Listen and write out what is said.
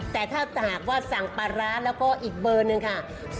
แต่ถ้าหากว่าสั่งปลาร้าแล้วก็อีกเบอร์หนึ่งค่ะ